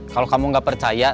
kalau kamu gak percaya